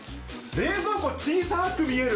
冷蔵庫、小さく見える。